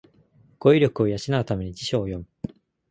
語彙力を養うために辞書を読む